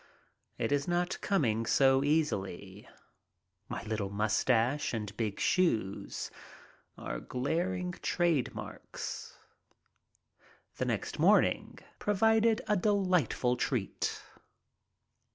It is not coming so easily. My little mustache and big shoes are glaring trade marks. The next morning provided a delightful treat.